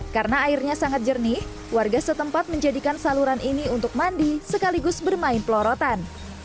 karena airnya sangat jernih warga setempat menjadikan saluran ini untuk mandi sekaligus bermain pelorotan